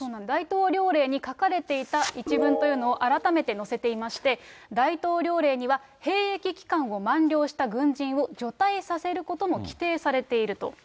大統領令に書かれていた一文というのを改めて載せていまして、大統領令には兵役期間を満了した軍人を除隊させることも規定されていると。